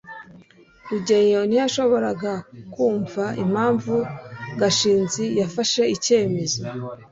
rugeyo ntiyashoboraga kumva impamvu gashinzi yafashe icyemezo